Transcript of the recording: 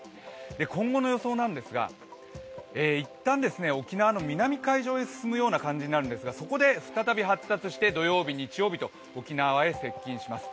今後の予想なんですが一旦、沖縄の南海上へ進むような感じになるんですがそこで再び発達して土曜日、日曜日と沖縄へ接近します。